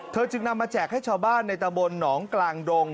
จึงนำมาแจกให้ชาวบ้านในตะบนหนองกลางดง